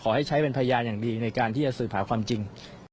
ให้ใช้เป็นพยานอย่างดีในการที่จะสืบหาความจริง